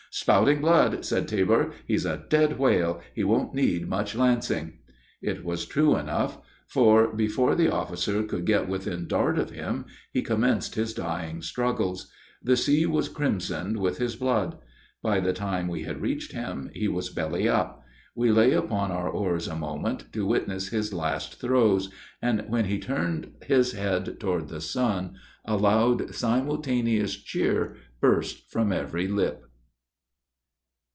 "Spouting blood!" said Tabor, "he's a dead whale! he won't need much lancing." It was true enough; for, before the officer could get within dart of him, he commenced his dying struggles. The sea was crimsoned with his blood. By the time we had reached him, he was belly up. We lay upon our oars a moment, to witness his last throes, and when he turned his head toward the sun, a loud, simultaneous cheer, burst from every lip.